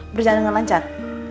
berjalan dengan lancar